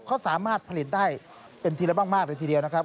เขาสามารถผลิตได้เป็นทีละบ้างมากเลยทีเดียวนะครับ